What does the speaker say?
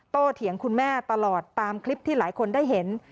เถียงคุณแม่ตลอดตามคลิปที่หลายคนได้เห็น